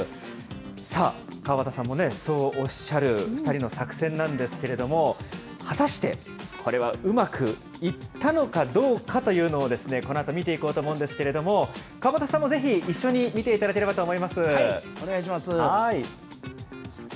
さあ、川畑さんもそうおっしゃる２人の作戦なんですけれども、果たしてこれはうまくいったのかどうかというのを、このあと見ていこうと思うんですけど、川畑さんもぜひ、一緒に見ていただければと思います。